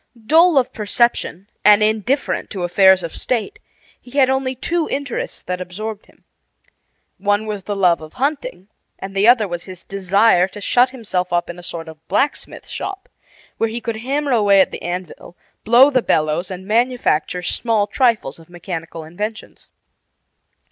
Dull of perception and indifferent to affairs of state, he had only two interests that absorbed him. One was the love of hunting, and the other was his desire to shut himself up in a sort of blacksmith shop, where he could hammer away at the anvil, blow the bellows, and manufacture small trifles of mechanical inventions.